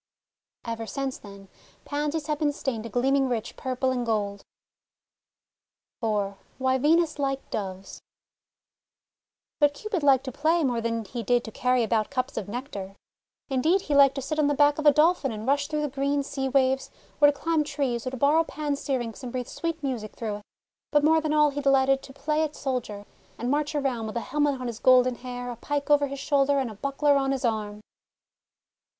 Ever since then, Pansies have been stained a gleaming rich purple and gold. IV WHY VENUS LIKED DOVES BUT Cupid liked to play more than he did to carry about cups of Nectar. Indeed, he liked to 58 THE WONDER GARDEN sit on the back of a Dolphin and rush through the green sea waves, or to climb trees, or to borrow Pan's Syrinx and breathe sweet music through it. But more than all he delighted to play at soldier, and march around with a helmet on his golden hair, a pike over his shoulder, and a buckler on his arm.